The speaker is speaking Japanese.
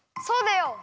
そうだよ。